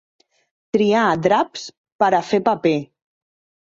Triar draps per a fer paper.